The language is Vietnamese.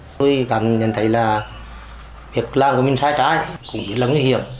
tôi cảm nhận thấy là việc làm của mình sai trái cũng bị lắng nguy hiểm